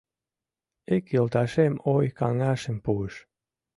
Ик йолташем ой-каҥашым пуыш: